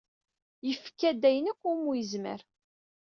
Yefka-d ayen akk umi yezmer.